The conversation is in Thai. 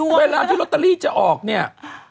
เวลาที่ลอตเตอรี่จะออกเนี่ย